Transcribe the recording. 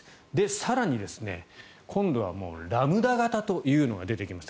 更に、今度はラムダ型というのが出てきました。